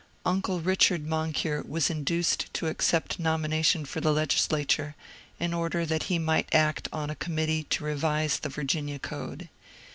Uncle Richard Moncure was induced to accept nomination for the Legislature, in order that he might act on a committee to revise the Virginia code.